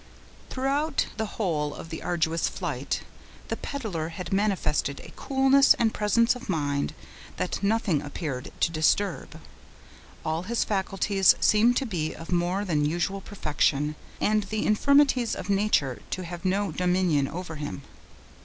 Throughout the whole of this arduous flight, the peddler had manifested a coolness and presence of mind that nothing appeared to disturb. All his faculties seemed to be of more than usual perfection, and the infirmities of nature to have no dominion over him.